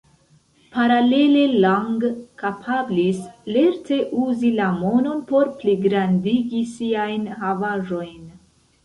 Paralele Lang kapablis lerte uzi la monon por pligrandigi siajn havaĵojn.